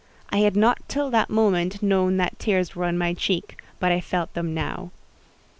I had not till that moment known that tears were on my cheek, but I felt them now.